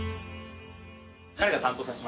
彼が担当させて。